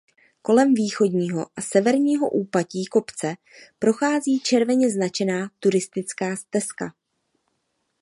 Kolem východního a severního úpatí kopce prochází červeně značená turistická stezka.